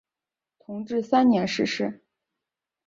同治三年逝世。